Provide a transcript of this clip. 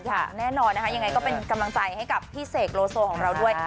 อย่างแน่นอนนะคะยังไงก็เป็นกำลังใจให้กับพี่เสกโลโซของเราด้วย